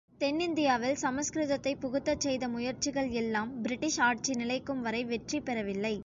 தென்னிந்தியாவில் சமஸ்கிருதத்தைப் புகுத்தச் செய்த முயற்சிகள் எல்லாம், பிரிட்டிஷ் ஆட்சி நிலைக்கும் வரை வெற்றி பெறவில்லை.